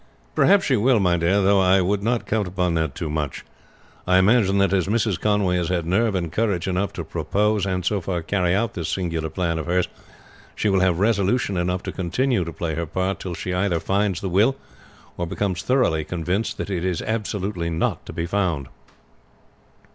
"Perhaps she will, my dear, though I would not count upon that too much. I imagine that as Mrs. Conway has had nerve and courage enough to propose and so far carry out this singular plan of hers, she will have resolution enough to continue to play her part till she either finds the will, or becomes thoroughly convinced that it is absolutely not to be found."